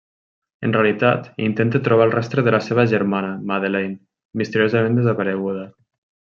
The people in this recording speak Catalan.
En realitat, intenta trobar el rastre de la seva germana Madeleine, misteriosament desapareguda.